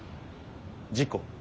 事故。